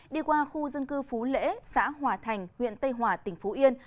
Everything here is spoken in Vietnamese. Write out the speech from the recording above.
đi qua khu dân cư phú lễ xã hòa thành huyện tây hòa tỉnh phú yên